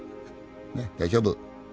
ねっ大丈夫。